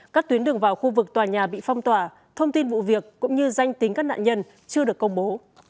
các tuyến đường vào khu vực tòa nhà bị phong tỏa thông tin vụ việc cũng như danh tính các nạn nhân chưa được công bố